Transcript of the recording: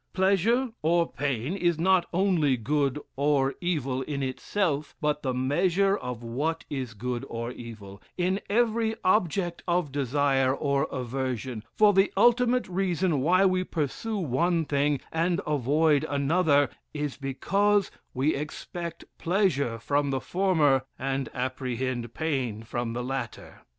Pleasure, or pain, is not only good, or evil, in itself, but the measure of what is good or evil, in every object of desire or aversion; for the ultimate reason why we pursue one thing, and avoid another, is because we expect pleasure from the former, and apprehend pain from the latter.